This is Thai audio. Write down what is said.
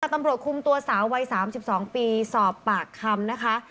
ตำรวจคุมตัวสาววัยสามสิบสองปีสอบปากคำนะคะ